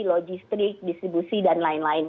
logistik distribusi dan lain lain